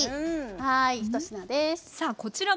はい。